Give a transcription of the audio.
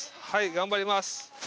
頑張ります